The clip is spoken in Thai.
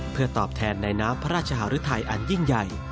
เพื่อตอบแทนในน้ำพระราชหารุทัยอันยิ่งใหญ่